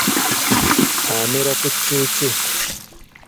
Amera ku ccuucu.